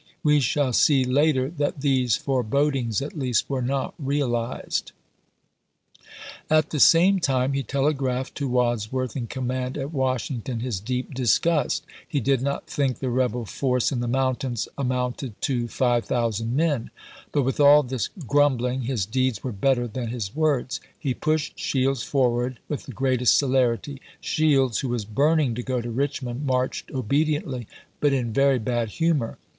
We shaU see later "stonewall" JACKSON'S VALLEY CAMPAIGN 407 that these forebodings, at least, were not realized, ch. xxii. At the same time he telegraphed to Wadsworth, May 24,186 2. in command at Washington, his deep disgust ; he did not think the rebel force in the mountains xoixii., amounted to five thousand men. But with all this p^ 221. " grumbling his deeds were better than his words ; he pushed Shields forward with the greatest celerity. Shields, who was burning to go to Eichmond, marched obediently, but in very bad humor.